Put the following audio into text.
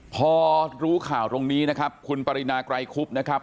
พอรู้ข่าวตรงนี้นะครับคุณปรินาไกรคุบนะครับ